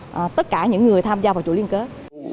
của tất cả những người tham gia vào chủ liên kết